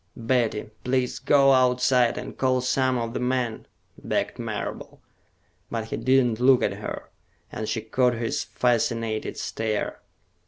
"Betty, please go outside and call some of the men," begged Marable. But he did not look at her, and she caught his fascinated stare.